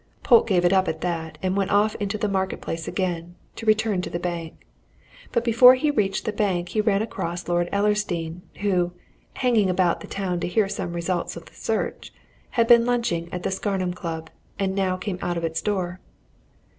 Polke gave it up at that, and went off into the Market Place again, to return to the bank. But before he reached the bank he ran across Lord Ellersdeane, who, hanging about the town to hear some result of the search, had been lunching at the Scarnham Club, and now came out of its door.